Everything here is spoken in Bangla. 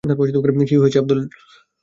কী হয়েছে, আব্দুল?